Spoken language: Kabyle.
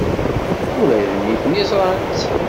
Ula d nitni ẓran-tt.